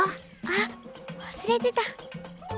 あっわすれてた！